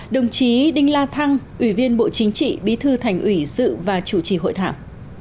đồng chí đinh la thăng ủy viên bộ chính trị bí thư thành ủy dự và chủ trì hội thảo